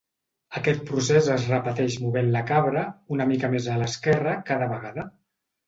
Aquest procés es repeteix movent la cabra una mica més a l'esquerra cada vegada.